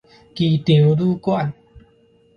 機場旅館